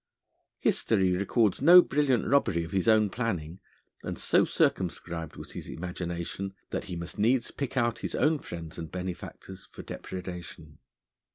History records no brilliant robbery of his own planning, and so circumscribed was his imagination that he must needs pick out his own friends and benefactors for depredation.